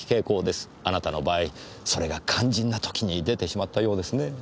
あなたの場合それが肝心な時に出てしまったようですねぇ。